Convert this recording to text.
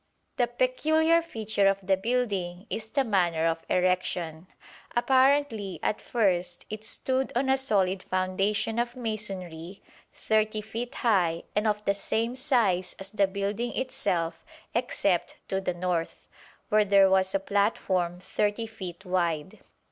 The peculiar feature of the building is the manner of erection. Apparently at first it stood on a solid foundation of masonry 30 feet high and of the same size as the building itself except to the north, where there was a platform 30 feet wide.